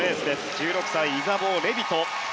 １６歳、イザボー・レビト。